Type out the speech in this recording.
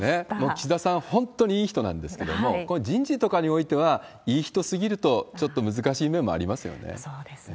岸田さん、本当にいい人なんですけれども、人事とかにおいては、いい人すぎるとそうですね。